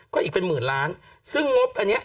ก็อีกเป็นหมื่นล้านซึ่งงบอันเนี้ย